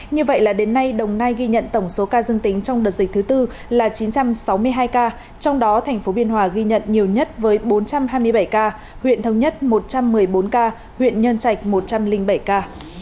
như vậy là đến nay đồng nai ghi nhận tổng số ca dương tính trong đợt dịch thứ tư là chín trăm sáu mươi hai ca trong đó thành phố biên hòa ghi nhận nhiều nhất với bốn trăm hai mươi bảy ca huyện thống nhất một trăm một mươi bốn ca huyện nhân trạch một trăm linh bảy ca